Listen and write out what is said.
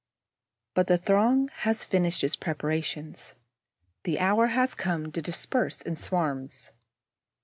] But the throng has finished its preparations; the hour has come to disperse in swarms.